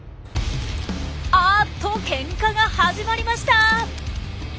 あっとケンカが始まりました！